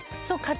そう。